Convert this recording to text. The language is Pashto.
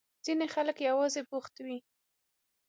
ځينې خلک يوازې بوخت وي.